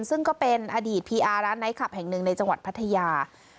ซึ่งก็เป็นอดีตพีอาร์ร้านไนท์คลับแห่งหนึ่งในจังหวัดพัทยา